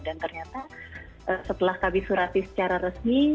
dan ternyata setelah kami surati secara resmi